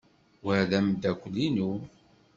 Wa d ameddakel-inu.